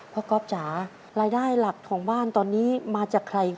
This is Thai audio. ก๊อฟจ๋ารายได้หลักของบ้านตอนนี้มาจากใคร